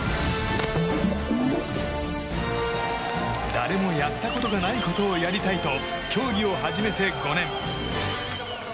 誰もやったことがないことをやりたいと競技を始めて５年。